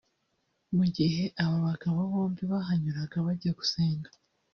Mu gihe aba bagabo bombi bahanyuraga bajya gusenga